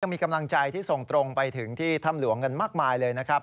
มีกำลังใจที่ส่งตรงไปถึงที่ถ้ำหลวงกันมากมายเลยนะครับ